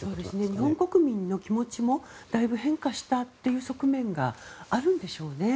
日本国民の気持ちもだいぶ変化したという側面があるんでしょうね。